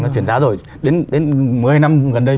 nó chuyển giá rồi đến một mươi năm gần đây